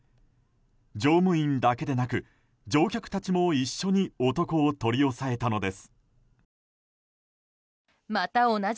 乗務員だけでなく乗客たちも一緒に男を取り押さえたのです。